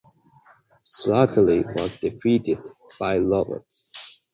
Slattery was defeated by Roberts.